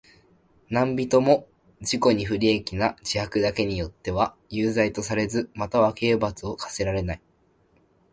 何人（なんびと）も自己に不利益な自白だけによっては有罪とされず、または刑罰を科せられない。